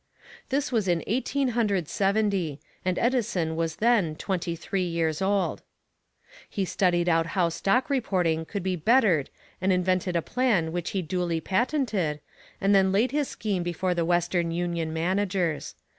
This was in Eighteen Hundred Seventy, and Edison was then twenty three years old. He studied out how stock reporting could be bettered and invented a plan which he duly patented, and then laid his scheme before the Western Union managers.